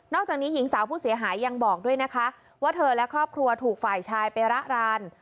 จากนี้หญิงสาวผู้เสียหายยังบอกด้วยนะคะว่าเธอและครอบครัวถูกฝ่ายชายไประราน